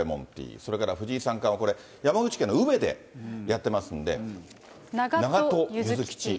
それから藤井三冠はこれ、山口県の宇部でやってますんで、長門ゆずきち。